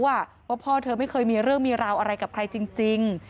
ว่าพ่อเธอไม่เคยมีเรื่องมีราวอะไรกับใครจริง